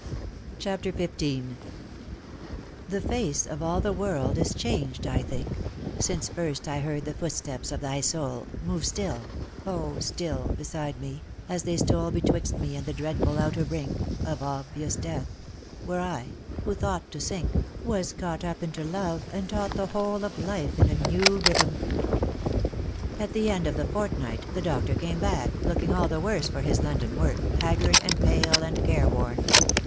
133 CHAPTER XV " The face of all the world is changed, I think, Since first I heard the footsteps of thy soul Move still, O, still, beside me, as they stole Betwixt me and the dreadful outer brink Of obvious death, where I, who thought to sink, Was caught up into love, and taught the whole Of life in a new rhythm." At the end of the fortnight the doctor came back, looking all the worse for his London work, haggard and pale and careworn.